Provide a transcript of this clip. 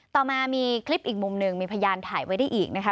ต่อมามีคลิปอีกมุมหนึ่งมีพยานถ่ายไว้ได้อีกนะคะ